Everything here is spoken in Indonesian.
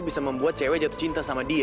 bisa membuat cewek jatuh cinta sama dia